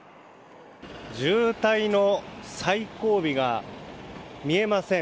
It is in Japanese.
渋滞の最後尾が見えません。